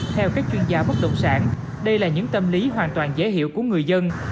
theo các chuyên gia bất động sản đây là những tâm lý hoàn toàn dễ hiểu của người dân